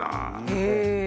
へえ！